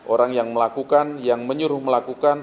orang yang melakukan yang menyuruh melakukan